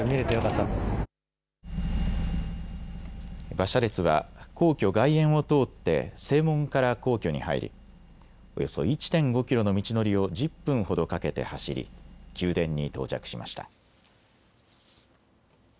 馬車列は皇居・外苑を通って正門から皇居に入りおよそ１．５キロの道のりを１０分ほどかけて走り宮殿に到着しました。